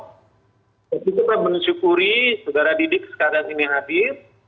dan kita bersyukuri saudara didik sekarang ini hadir